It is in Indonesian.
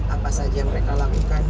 apa saja yang mereka lakukan